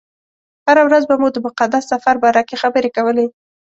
هره ورځ به مو د مقدس سفر باره کې خبرې کولې.